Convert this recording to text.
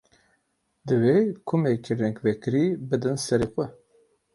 Divê kumekî rengvekirî bidin serê xwe.